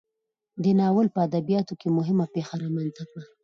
دې ناول په ادبیاتو کې مهمه پیښه رامنځته کړه.